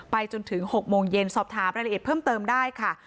จนถึง๖โมงเย็นสอบถามรายละเอียดเพิ่มเติมได้ค่ะ